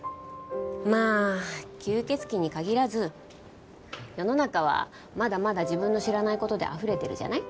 まあ吸血鬼に限らず世の中はまだまだ自分の知らない事であふれてるじゃない？